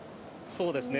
そうですね。